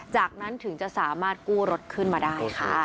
จากนั้นถึงจะสามารถกู้รถขึ้นมาได้ค่ะ